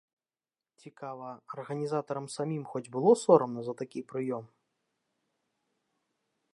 Цікава, арганізатарам самім хоць было сорамна за такі прыём?